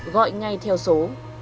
gọi ngay theo số